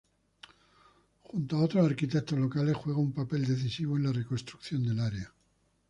Junto a otros arquitectos locales, juega un papel decisivo en la reconstrucción del área.